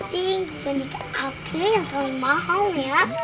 mending boneka aku yang paling mahal ya